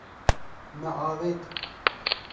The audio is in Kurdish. Me avêt.